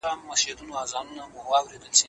آیا ستا پلار د زراعت په برخه کې پخوانۍ تجربه لري؟